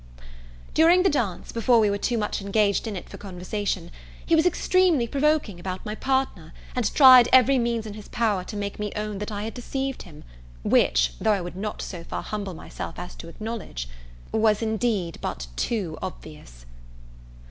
During the dance, before we were too much engaged in it for conversation, he was extremely provoking about my partner, and tried every means in his power to make me own that I had deceived him; which, though I would not so far humble myself as to acknowledge, was indeed but too obvious.